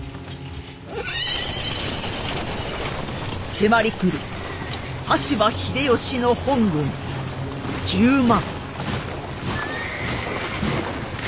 迫りくる羽柴秀吉の本軍１０万。